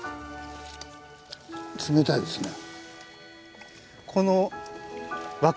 冷たいですね。